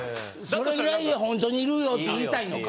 それぐらい本当にいるよって言いたいのか。